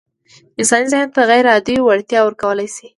انساني ذهن ته غيرعادي وړتيا ورکول شوې ده.